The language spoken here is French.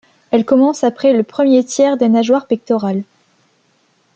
Elle commence après le premier tiers des nageoires pectorales.